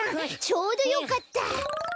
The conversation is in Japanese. ちょうどよかった。